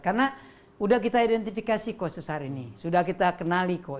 karena sudah kita identifikasi kok sehar ini sudah kita kenali kok